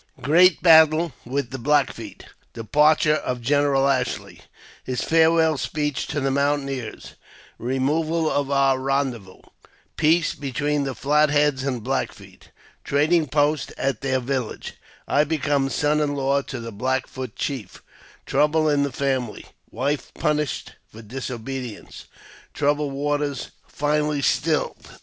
Great Battle with the Black Feet — Departure of General Ashley — His Farewell Speech to the Mountaineers — Eemoval of our Eendezvous — Peace between the Flat Heads and Black Feet — Trading post at their Village — I become Son in law to the Black Foot Chief — Trouble in the Family — Wife punished for Disobedience — Troubled Waters finally stilled.